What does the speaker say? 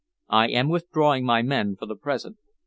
I am withdrawing my men for the present."